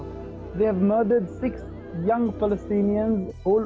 mereka telah membunuh enam orang palestina yang muda